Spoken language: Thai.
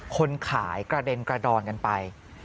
คนขายกระเด็นกระดอนกันไป